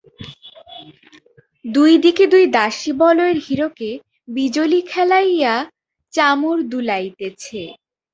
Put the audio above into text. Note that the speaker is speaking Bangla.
দুই দিকে দুই দাসী বলয়ের হীরকে বিজুলি খেলাইয়া চামর দুলাইতেছে।